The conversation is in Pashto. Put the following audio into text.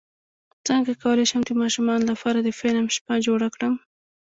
څنګه کولی شم د ماشومانو لپاره د فلم شپه جوړه کړم